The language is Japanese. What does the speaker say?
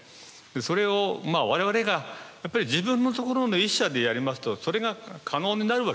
それを我々がやっぱり自分のところの１社でやりますとそれが可能になるわけですよね。